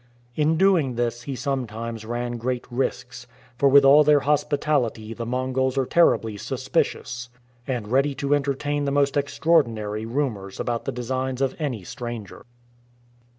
In doing this he sometimes ran great risks, for with all their hospi tality the Mongols are terribly suspicious, and ready to entertain the most extraordinary rumours about the designs of any stranger.